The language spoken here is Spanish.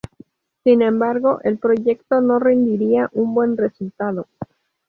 Sin embargo, el proyecto no rendiría un buen resultado.